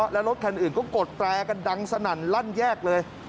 และรถคันอื่นก็กดแตรกันดังสนั่นลั่นแยกเลย